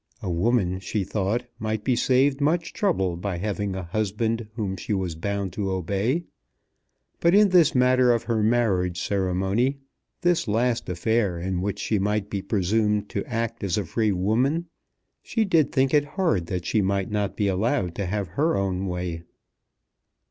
A woman, she thought, might be saved much trouble by having a husband whom she was bound to obey. But in this matter of her marriage ceremony, this last affair in which she might be presumed to act as a free woman, she did think it hard that she might not be allowed to have her own way.